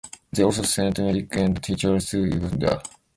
They also sent medics and teachers to Uganda.